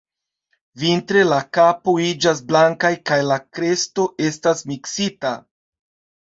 Vintre, la kapo iĝas blankaj kaj la kresto estas miksita.